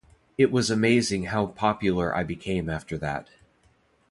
It was amazing how popular I became after that.